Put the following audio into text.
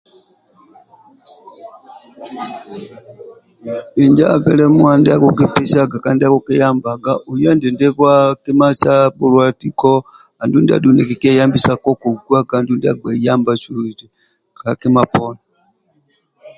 Injo bilimwa ndia akikipesiaga kandi akikiyambaga oye endindi habwa kima bhulwa tiko andulu ndia adhu nikikieyambisa koko ka kima poni